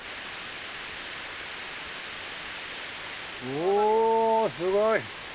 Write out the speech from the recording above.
おすごい！